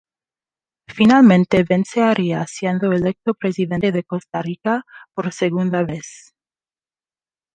Finalmente vence Arias siendo electo presidente de Costa Rica por segunda vez.